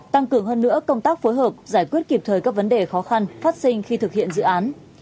tăng cường hơn nữa công tác phối hợp giải quyết kịp thời các vấn đề khó khăn phát sinh khi thực hiện dự án